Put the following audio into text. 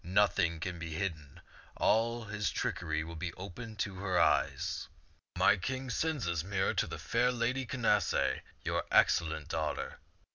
Nothing can be hidden. All his trickery will be open to her eyes. My king sends this mirror to the fair Lady Canacee, your excellent daughter.